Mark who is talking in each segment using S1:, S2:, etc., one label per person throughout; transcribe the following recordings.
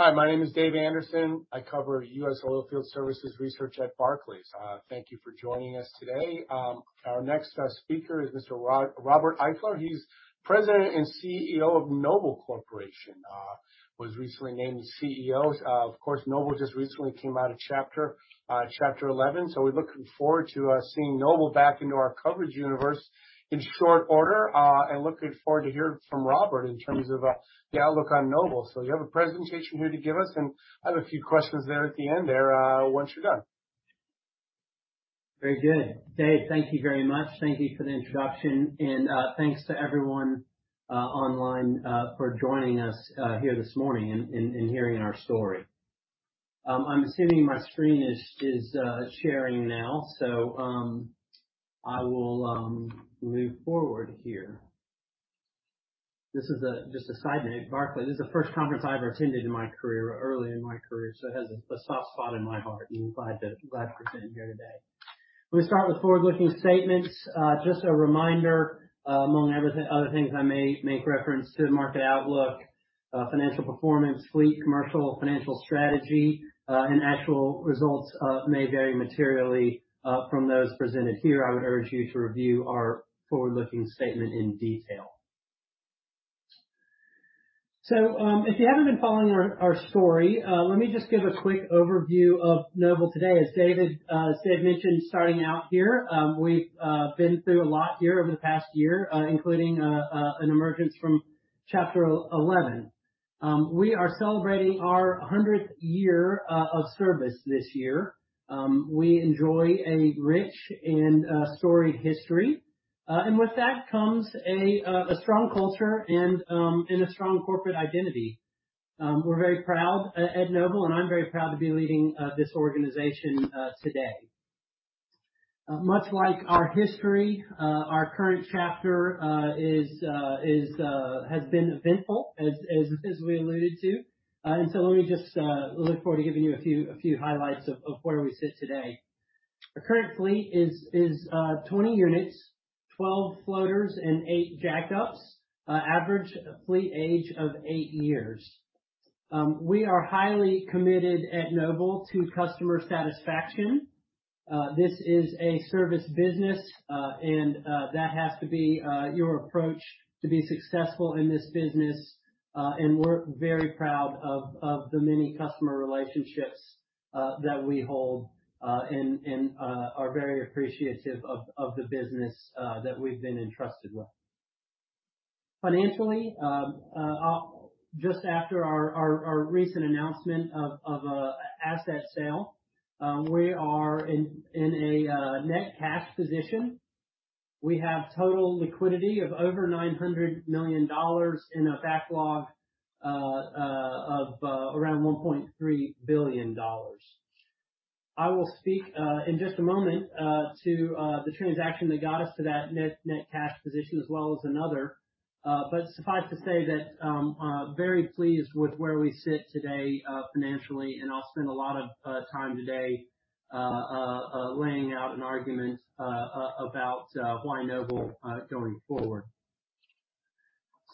S1: Hi, my name is Dave Anderson. I cover U.S. oilfield services research at Barclays. Thank you for joining us today. Our next speaker is Mr. Robert Eifler. He's President and CEO of Noble Corporation. Was recently named CEO. Of course, Noble just recently came out of Chapter 11, so we're looking forward to seeing Noble back into our coverage universe in short order, and looking forward to hearing from Robert in terms of the outlook on Noble. You have a presentation here to give us, and I have a few questions there at the end there, once you're done.
S2: Very good. Dave, thank you very much. Thank you for the introduction and thanks to everyone online for joining us here this morning and hearing our story. I'm assuming my screen is sharing now. I will move forward here. This is just a side note. Barclays, this is the first conference I ever attended in my career, early in my career, so it has a soft spot in my heart and glad to be sitting here today. I'm going to start with forward-looking statements. Just a reminder, among other things, I may make reference to the market outlook, financial performance, fleet commercial, financial strategy, and actual results may vary materially from those presented here. I would urge you to review our forward-looking statement in detail. If you haven't been following our story, let me just give a quick overview of Noble today. As Dave mentioned starting out here, we’ve been through a lot here over the past year, including an emergence from Chapter 11. We are celebrating our 100th year of service this year. We enjoy a rich and storied history. With that comes a strong culture and a strong corporate identity. We’re very proud at Noble, and I’m very proud to be leading this organization today. Much like our history, our current chapter has been eventful, as we alluded to. Let me just look forward to giving you a few highlights of where we sit today. Our current fleet is 20 units, 12 floaters and eight jackups. Average fleet age of eight years. We are highly committed at Noble to customer satisfaction. This is a service business, and that has to be your approach to be successful in this business. We're very proud of the many customer relationships that we hold and are very appreciative of the business that we've been entrusted with. Financially, just after our recent announcement of an asset sale, we are in a net cash position. We have total liquidity of over $900 million and a backlog of around $1.3 billion. I will speak in just a moment to the transaction that got us to that net cash position as well as another. Suffice to say that I'm very pleased with where we sit today financially, and I'll spend a lot of time today laying out an argument about why Noble going forward.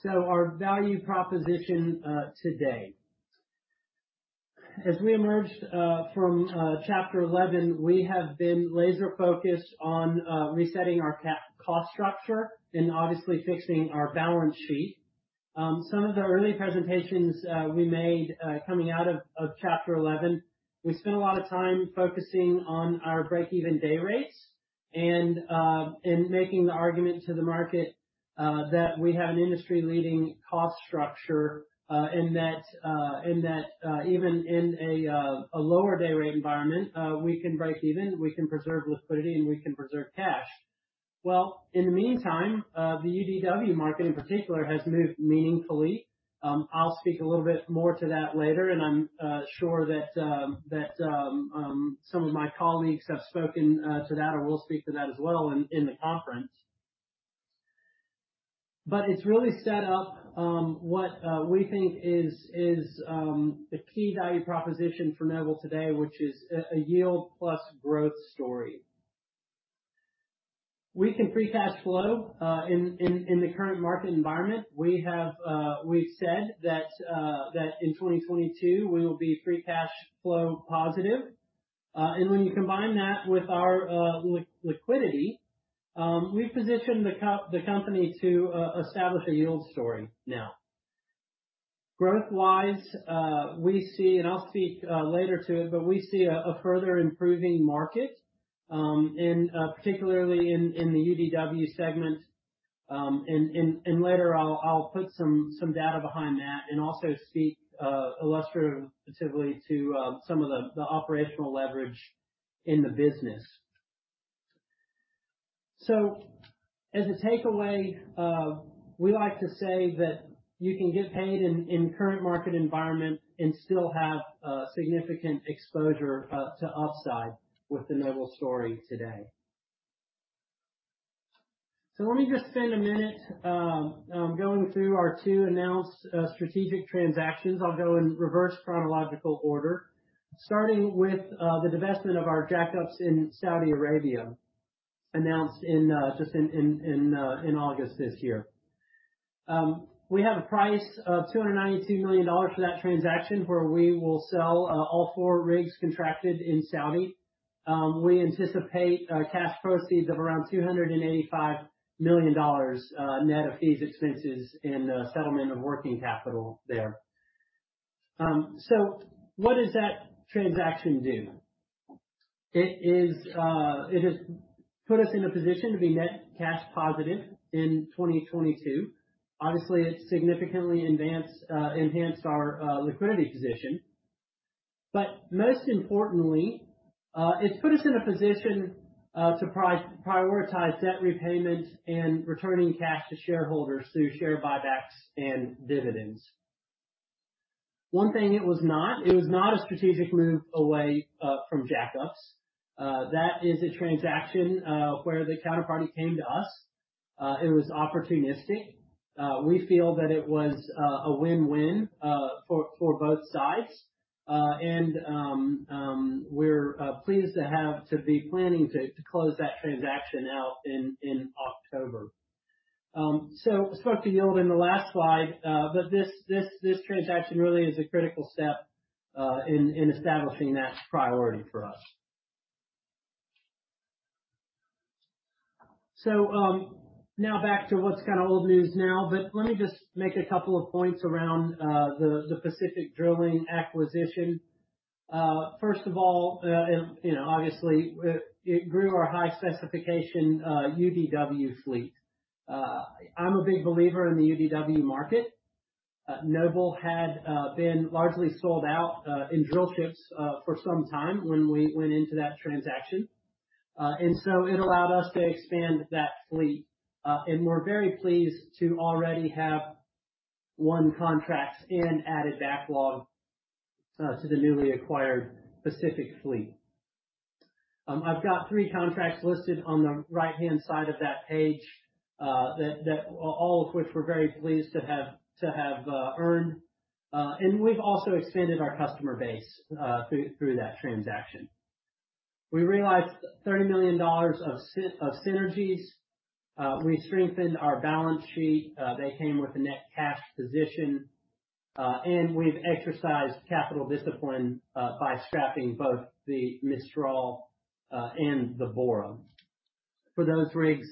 S2: Our value proposition today. As we emerged from Chapter 11, we have been laser focused on resetting our cost structure and obviously fixing our balance sheet. Some of the early presentations we made coming out of Chapter 11, we spent a lot of time focusing on our break-even day rates and making the argument to the market that we have an industry-leading cost structure. That even in a lower day rate environment, we can break even, we can preserve liquidity, and we can preserve cash. In the meantime, the UDW market in particular has moved meaningfully. I'll speak a little bit more to that later, and I'm sure that some of my colleagues have spoken to that or will speak to that as well in the conference. It's really set up what we think is the key value proposition for Noble today, which is a yield plus growth story. We can free cash flow in the current market environment. We've said that in 2022, we will be free cash flow positive. When you combine that with our liquidity, we position the company to establish a yield story now. Growth-wise, we see, I'll speak later to it, we see a further improving market, particularly in the UDW segment. Later I'll put some data behind that and also speak illustratively to some of the operational leverage in the business. As a takeaway, we like to say that you can get paid in the current market environment and still have significant exposure to upside with the Noble story today. Let me just spend a minute going through our two announced strategic transactions. I'll go in reverse chronological order, starting with the divestment of our jackups in Saudi Arabia. Announced just in August this year. We have a price of $292 million for that transaction where we will sell all four rigs contracted in Saudi. We anticipate cash proceeds of around $285 million net of fees, expenses and settlement of working capital there. What does that transaction do? It has put us in a position to be net cash positive in 2022. Obviously, it significantly enhanced our liquidity position. Most importantly, it's put us in a position to prioritize debt repayment and returning cash to shareholders through share buybacks and dividends. One thing it was not, it was not a strategic move away from jack-ups. That is a transaction where the counterparty came to us. It was opportunistic. We feel that it was a win-win for both sides. We're pleased to be planning to close that transaction out in October. I spoke to yield in the last slide, but this transaction really is a critical step in establishing that priority for us. Now back to what's kind of old news now, but let me just make a couple of points around the Pacific Drilling acquisition. First of all, obviously, it grew our high specification UDW fleet. I'm a big believer in the UDW market. Noble had been largely sold out in drill ships for some time when we went into that transaction. It allowed us to expand that fleet. We're very pleased to already have one contract and added backlog to the newly acquired Pacific fleet. I've got three contracts listed on the right-hand side of that page all of which we're very pleased to have earned. We've also expanded our customer base through that transaction. We realized $30 million of synergies. We strengthened our balance sheet. They came with a net cash position. We've exercised capital discipline by scrapping both the Pacific Mistral and the Pacific Bora. For those rigs,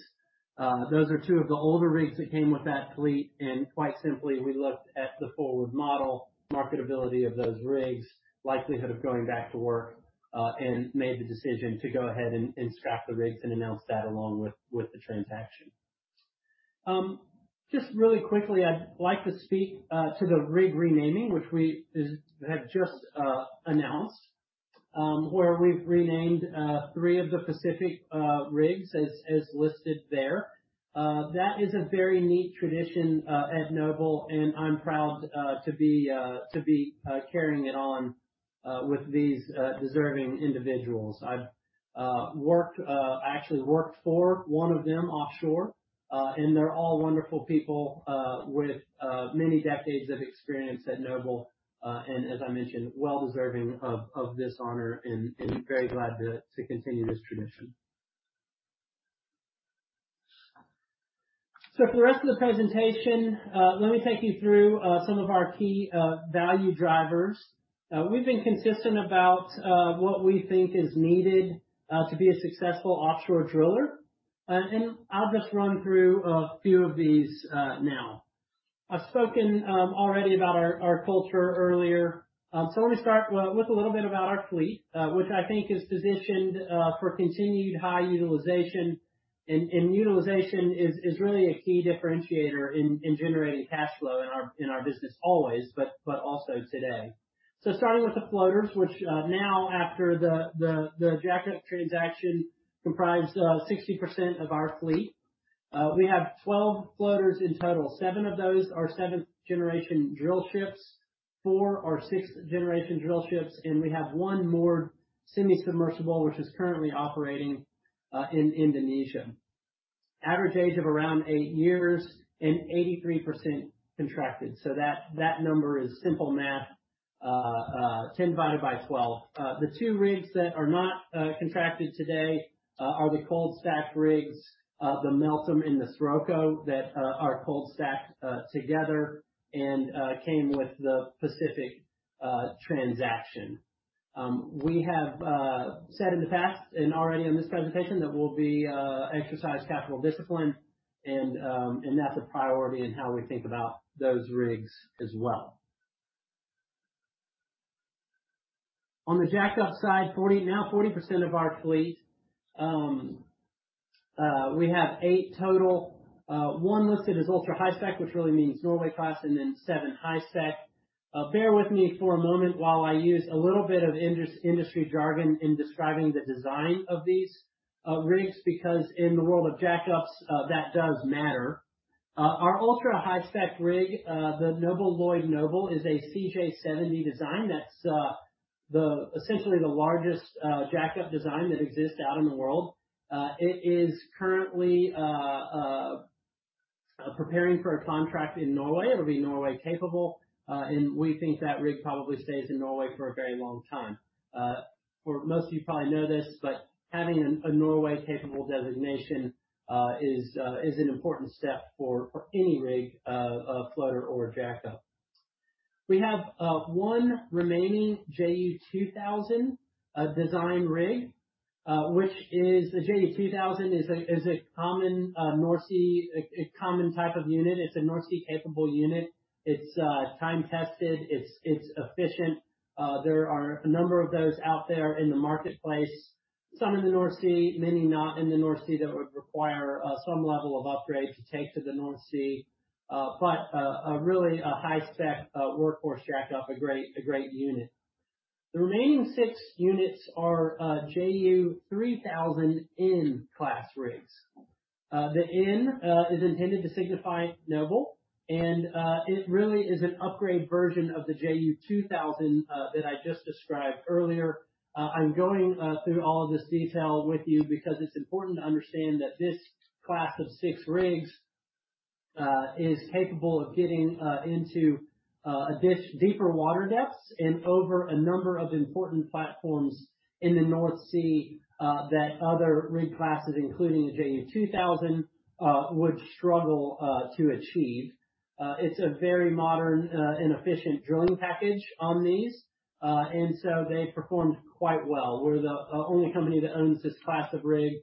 S2: those are two of the older rigs that came with that fleet. Quite simply, we looked at the forward model, marketability of those rigs, likelihood of going back to work, made the decision to go ahead and scrap the rigs and announce that along with the transaction. Just really quickly, I'd like to speak to the rig renaming, which we have just announced, where we've renamed three of the Pacific rigs as listed there. That is a very neat tradition at Noble. I'm proud to be carrying it on with these deserving individuals. I actually worked for one of them offshore. They're all wonderful people with many decades of experience at Noble. As I mentioned, well deserving of this honor and very glad to continue this tradition. For the rest of the presentation, let me take you through some of our key value drivers. We've been consistent about what we think is needed to be a successful offshore driller. I'll just run through a few of these now. I've spoken already about our culture earlier. Let me start with a little bit about our fleet, which I think is positioned for continued high utilization. Utilization is really a key differentiator in generating cash flow in our business always, but also today. Starting with the floaters, which now after the jack-up transaction comprise 60% of our fleet. We have 12 floaters in total. Seven of those are 7th-generation drillships, four are 6th-generation drillships, and we have one more semi-submersible which is currently operating in Indonesia. Average age of around eight years and 83% contracted. That number is simple math, 10 divided by 12. The two rigs that are not contracted today are the cold stacked rigs, the Pacific Meltem and the Pacific Scirocco, that are cold stacked together and came with the Pacific transaction. We have said in the past and already in this presentation that we'll be exercise capital discipline and that's a priority in how we think about those rigs as well. On the jack-up side, now 40% of our fleet. We have eight total. One listed as ultra high-spec, which really means Norway class, and then seven high-spec. Bear with me for a moment while I use a little bit of industry jargon in describing the design of these rigs, because in the world of jack-ups, that does matter. Our ultra high-spec rig, the Noble Lloyd Noble, is a CJ70 design that's essentially the largest jack-up design that exists out in the world. It is currently preparing for a contract in Norway. It'll be Norway capable, and we think that rig probably stays in Norway for a very long time. Most of you probably know this, having a Norway capable designation is an important step for any rig, floater or jackup. We have one remaining JU 2000 design rig. The JU 2000 is a common type of unit. It's a North Sea capable unit. It's time tested. It's efficient. There are a number of those out there in the marketplace, some in the North Sea, many not in the North Sea, that would require some level of upgrade to take to the North Sea. Really, a high-spec, workhorse jackup, a great unit. The remaining six units are JU-3000N class rigs. The N is intended to signify Noble, and it really is an upgrade version of the JU 2000 that I just described earlier. I'm going through all of this detail with you because it's important to understand that this class of six rigs is capable of getting into deeper water depths and over a number of important platforms in the North Sea that other rig classes, including the JU 2000, would struggle to achieve. It's a very modern and efficient drilling package on these, and so they've performed quite well. We're the only company that owns this class of rig,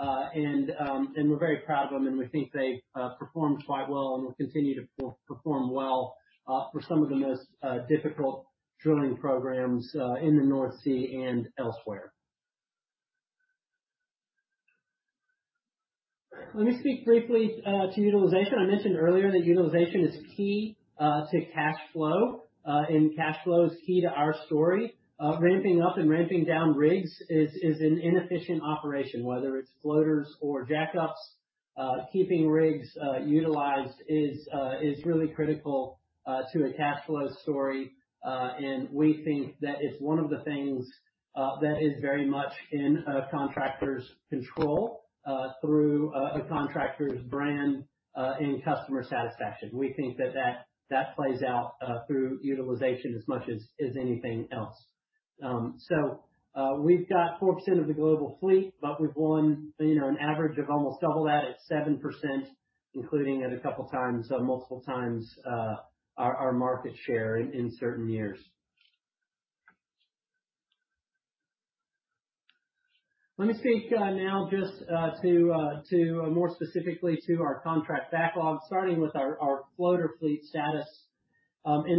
S2: and we're very proud of them, and we think they've performed quite well and will continue to perform well for some of the most difficult drilling programs in the North Sea and elsewhere. Let me speak briefly to utilization. I mentioned earlier that utilization is key to cash flow, and cash flow is key to our story. Ramping up and ramping down rigs is an inefficient operation, whether it's floaters or jackups. Keeping rigs utilized is really critical to a cash flow story, and we think that it's one of the things that is very much in a contractor's control through a contractor's brand and customer satisfaction. We think that plays out through utilization as much as anything else. We've got 4% of the global fleet, but we've won an average of almost double that at 7%, including at a couple times, multiple times our market share in certain years. Let me speak now just more specifically to our contract backlog, starting with our floater fleet status.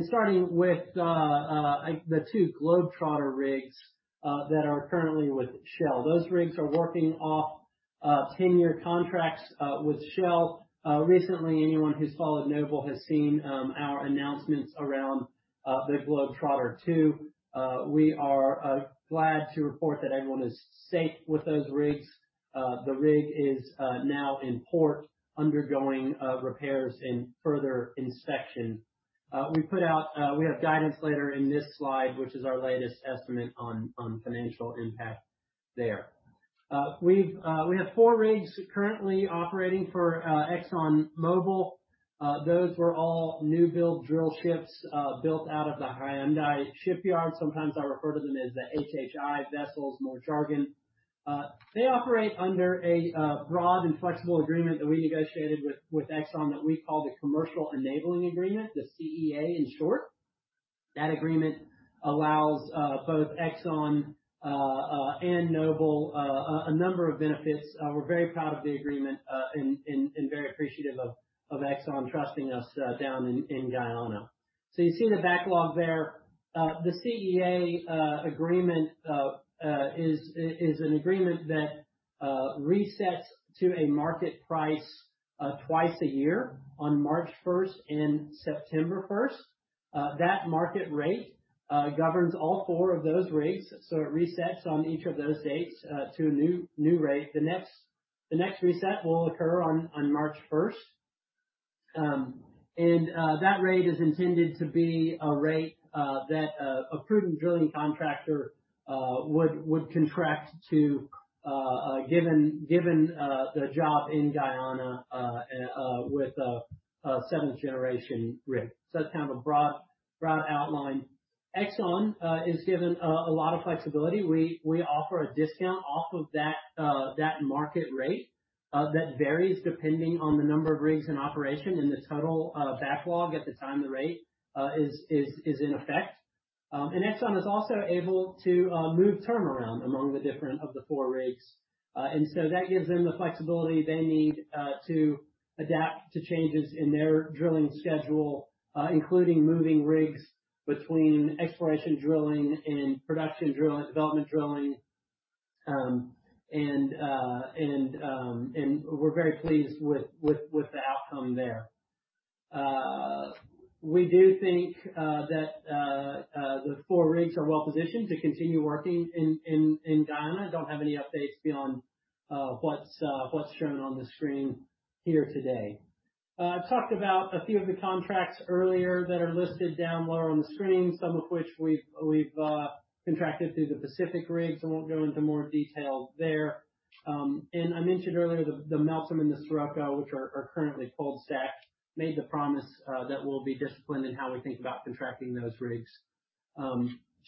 S2: Starting with the two Globetrotter rigs that are currently with Shell. Those rigs are working off 10-year contracts with Shell. Recently, anyone who's followed Noble has seen our announcements around the Noble Globetrotter II. We are glad to report that everyone is safe with those rigs. The rig is now in port undergoing repairs and further inspection. We have guidance later in this slide, which is our latest estimate on financial impact there. We have four rigs currently operating for ExxonMobil. Those were all new build drill ships built out of the Hyundai shipyard. Sometimes I refer to them as the HHI vessels, more jargon. They operate under a broad and flexible agreement that we negotiated with Exxon that we call the Commercial Enabling Agreement, the CEA in short. That agreement allows both Exxon and Noble a number of benefits. We're very proud of the agreement and very appreciative of Exxon trusting us down in Guyana. You see the backlog there. The CEA agreement is an agreement that resets to a market price twice a year on March 1st and September 1st. That market rate governs all four of those rigs, so it resets on each of those dates to a new rate. The next reset will occur on March 1st. That rate is intended to be a rate that a prudent drilling contractor would contract to, given the job in Guyana with a 7th-generation rig. That's kind of a broad outline. Exxon is given a lot of flexibility. We offer a discount off of that market rate that varies depending on the number of rigs in operation and the total backlog at the time the rate is in effect. Exxon is also able to move turnaround among the different of the four rigs. That gives them the flexibility they need to adapt to changes in their drilling schedule, including moving rigs between exploration drilling and production drilling, development drilling. We're very pleased with the outcome there. We do think that the four rigs are well-positioned to continue working in Guyana. Don't have any updates beyond what's shown on the screen here today. I talked about a few of the contracts earlier that are listed down lower on the screen, some of which we've contracted through the Pacific rigs, won't go into more detail there. I mentioned earlier the Pacific Meltem and the Pacific Scirocco, which are currently cold stacked. We made the promise that we'll be disciplined in how we think about contracting those rigs.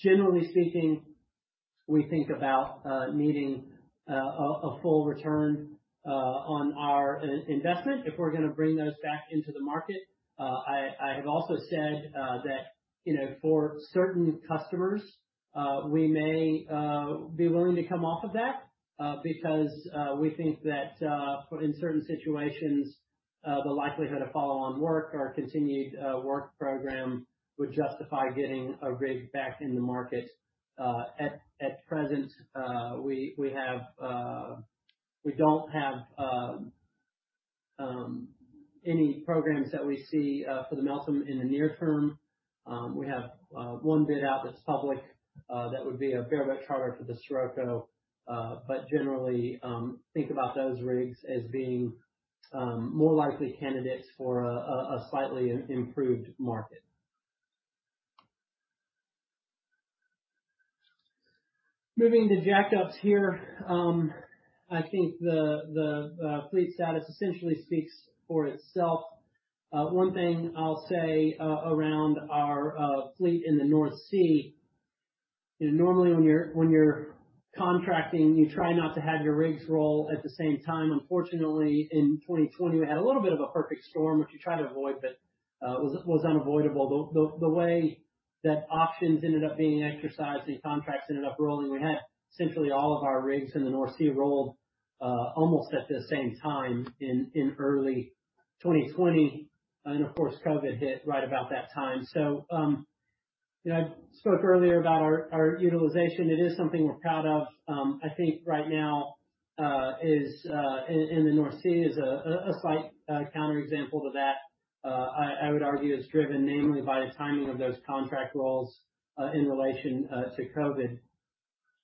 S2: Generally speaking, we think about needing a full return on our investment if we're going to bring those back into the market. I have also said that for certain customers, we may be willing to come off of that because we think that in certain situations, the likelihood of follow-on work or a continued work program would justify getting a rig back in the market. At present, we don't have any programs that we see for the Meltem in the near term. We have one bid out that's public. That would be a bareboat charter for the Scirocco. Generally, think about those rigs as being more likely candidates for a slightly improved market. Moving to jackups here. I think the fleet status essentially speaks for itself. One thing I'll say around our fleet in the North Sea is normally when you're contracting, you try not to have your rigs roll at the same time. Unfortunately, in 2020, we had a little bit of a perfect storm, which you try to avoid, but it was unavoidable. The way that options ended up being exercised and contracts ended up rolling, we had essentially all of our rigs in the North Sea roll almost at the same time in early 2020. Of course, COVID hit right about that time. I spoke earlier about our utilization. It is something we're proud of. I think right now, in the North Sea, is a slight counterexample to that. I would argue it's driven namely by the timing of those contract rolls in relation to COVID.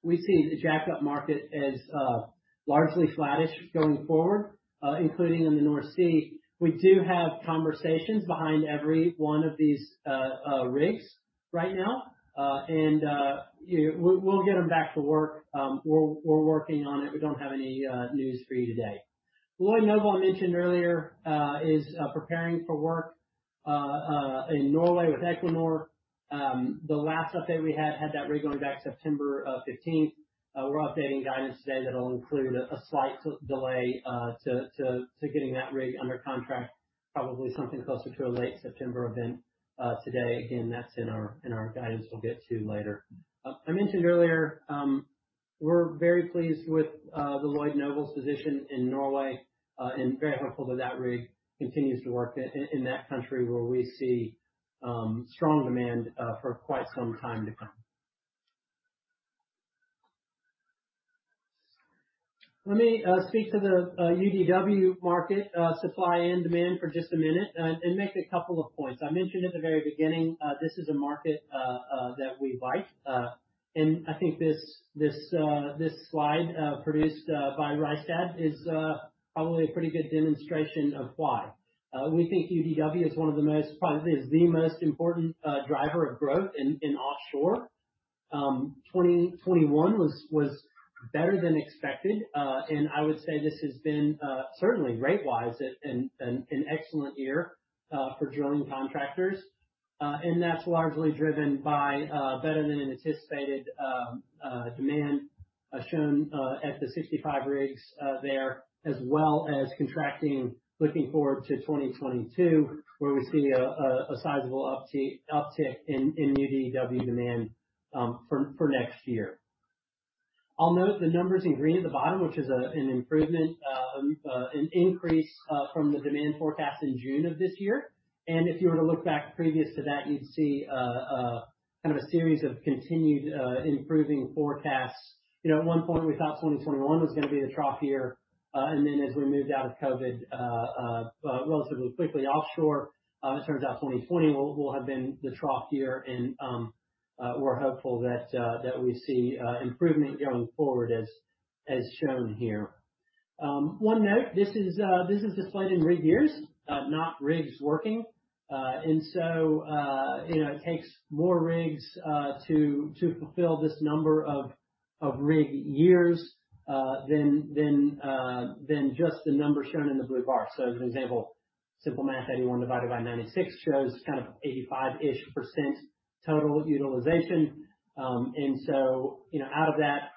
S2: We see the jackup market as largely flattish going forward, including in the North Sea. We do have conversations behind every one of these rigs right now, and we'll get them back to work. We're working on it. We don't have any news for you today. Noble Lloyd Noble I mentioned earlier is preparing for work in Norway with Equinor. The last update we had that rig going back September 15th. We're updating guidance today that'll include a slight delay to getting that rig under contract. Probably something closer to a late September event. Today, again, that's in our guidance we'll get to later. I mentioned earlier, we're very pleased with the Noble Lloyd Noble's position in Norway, and very hopeful that that rig continues to work in that country where we see strong demand for quite some time to come. Let me speak to the UDW market supply and demand for just a minute and make a couple of points. I mentioned at the very beginning, this is a market that we like. I think this slide produced by Rystad is probably a pretty good demonstration of why. We think UDW is one of the most, probably is the most important driver of growth in offshore. 2021 was better than expected, and I would say this has been, certainly rate-wise, an excellent year for drilling contractors. That's largely driven by better-than-anticipated demand, as shown at the 65 rigs there, as well as contracting looking forward to 2022, where we see a sizable uptick in UDW demand for next year. I'll note the numbers in green at the bottom, which is an increase from the demand forecast in June of this year. If you were to look back previous to that, you'd see a series of continued improving forecasts. At one point, we thought 2021 was going to be the trough year. Then as we moved out of COVID relatively quickly offshore, it turns out 2020 will have been the trough year and we're hopeful that we see improvement going forward as shown here. One note, this is displayed in rig years, not rigs working. So, it takes more rigs to fulfill this number of rig years than just the number shown in the blue bar. As an example, simple math, 81 divided by 96 shows 85%-ish total utilization. So, out of that,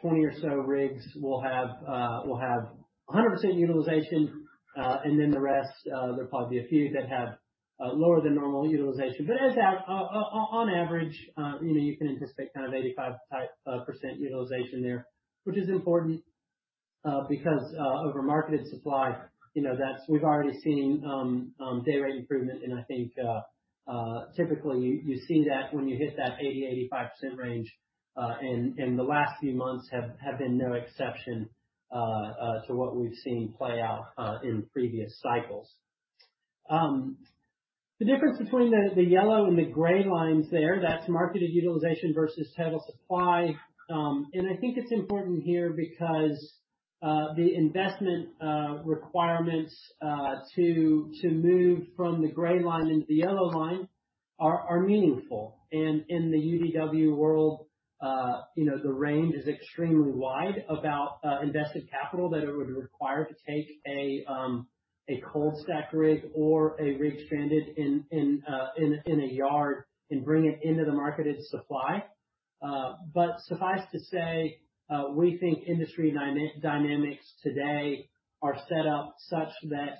S2: 20 or so rigs will have 100% utilization. Then the rest, there'll probably be a few that have lower than normal utilization. As that, on average you can anticipate kind of 85 type % utilization there. Which is important because over marketed supply, we've already seen day rate improvement and I think, typically, you see that when you hit that 80%-85% range. The last few months have been no exception to what we've seen play out in previous cycles. The difference between the yellow and the gray lines there, that's marketed utilization versus total supply. I think it's important here because the investment requirements to move from the gray line into the yellow line are meaningful. In the UDW world. The range is extremely wide about invested capital that it would require to take a cold stack rig or a rig stranded in a yard and bring it into the market as a supply. Suffice to say, we think industry dynamics today are set up such that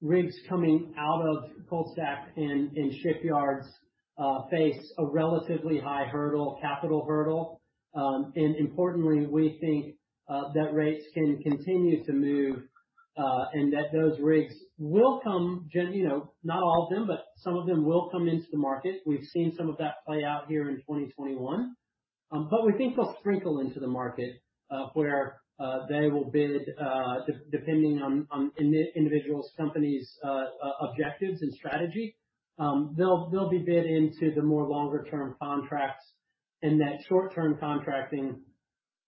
S2: rigs coming out of cold stack in shipyards face a relatively high hurdle, capital hurdle. Importantly, we think that rates can continue to move, and that those rigs will come, not all of them, but some of them will come into the market. We've seen some of that play out here in 2021. We think they'll sprinkle into the market, where they will bid, depending on individual companies' objectives and strategy. They'll be bid into the more longer-term contracts, and that short-term contracting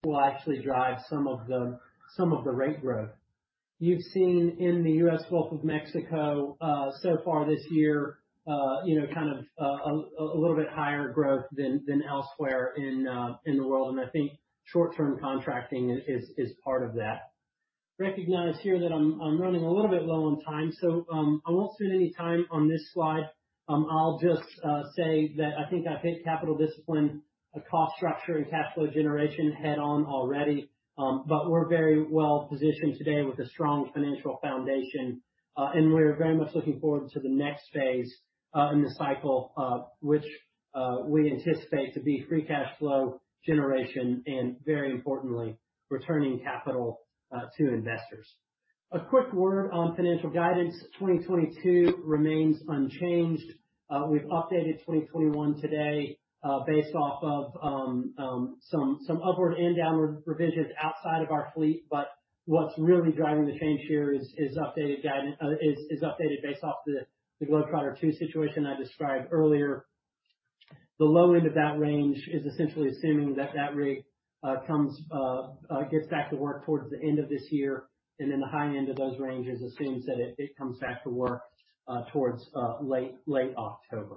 S2: will actually drive some of the rate growth. You've seen in the U.S. Gulf of Mexico, so far this year, a little bit higher growth than elsewhere in the world, and I think short-term contracting is part of that. Recognize here that I'm running a little bit low on time, I won't spend any time on this slide. I'll just say that I think I've hit capital discipline, cost structure, and cash flow generation head-on already. We're very well-positioned today with a strong financial foundation. We're very much looking forward to the next phase in the cycle, which we anticipate to be free cash flow generation and very importantly, returning capital to investors. A quick word on financial guidance. 2022 remains unchanged. We've updated 2021 today based off of some upward and downward provisions outside of our fleet. What's really driving the change here is updated based off the Noble Globetrotter II situation I described earlier. The low end of that range is essentially assuming that that rig gets back to work towards the end of this year, and then the high end of those ranges assumes that it comes back to work towards late October.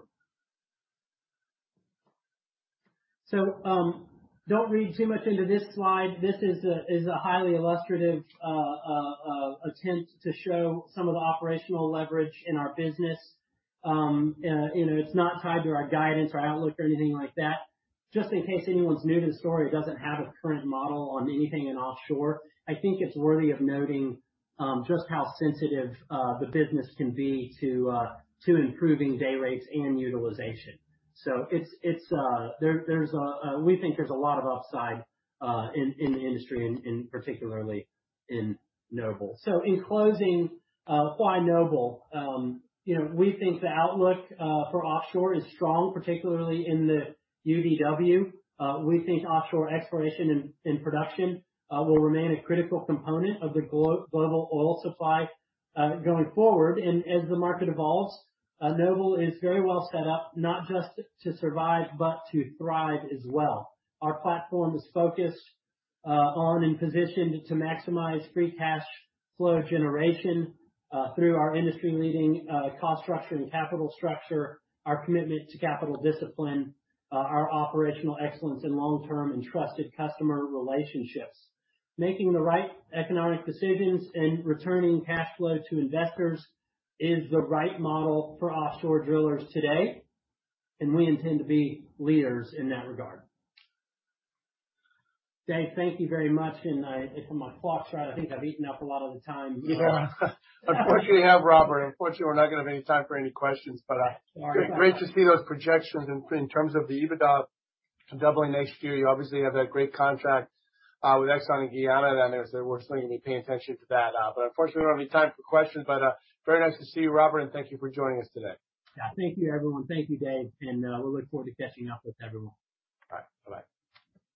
S2: Don't read too much into this slide. This is a highly illustrative attempt to show some of the operational leverage in our business. It's not tied to our guidance or outlook or anything like that. Just in case anyone's new to the story, doesn't have a current model on anything in offshore, I think it's worthy of noting just how sensitive the business can be to improving day rates and utilization. We think there's a lot of upside in the industry and particularly in Noble. In closing, why Noble? We think the outlook for offshore is strong, particularly in the UDW. We think offshore exploration and production will remain a critical component of the global oil supply going forward. As the market evolves, Noble is very well set up, not just to survive, but to thrive as well. Our platform is focused on and positioned to maximize free cash flow generation through our industry-leading cost structure and capital structure, our commitment to capital discipline, our operational excellence, and long-term and trusted customer relationships. Making the right economic decisions and returning cash flow to investors is the right model for offshore drillers today. We intend to be leaders in that regard. Dave, thank you very much, and if my clock's right, I think I've eaten up a lot of the time.
S1: Yeah. Unfortunately, you have, Robert. Unfortunately, we're not gonna have any time for any questions.
S2: Sorry about that.
S1: Great to see those projections in terms of the EBITDA doubling next year. You obviously have that great contract with Exxon in Guyana. That is worth swinging me paying attention to that. Unfortunately, we don't have any time for questions. Very nice to see you, Robert, and thank you for joining us today.
S2: Yeah. Thank you, everyone. Thank you, Dave. We look forward to catching up with everyone.
S1: All right. Bye-bye.